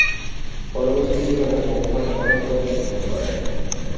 পরবর্তী জীবনে মহম্মদ অনেক পত্নী গ্রহণ করেন।